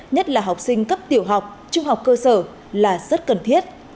nhất là học sinh cấp tiểu học trung học cơ sở là rất cần thiết